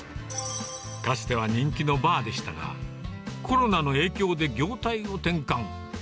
かつては人気のバーでしたが、コロナの影響で業態を転換。